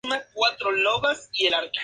Ambos fueron adaptados en series de anime.